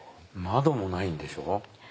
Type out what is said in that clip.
窓もないんでしょ？